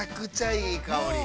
◆いい香り。